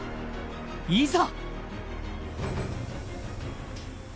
いざ！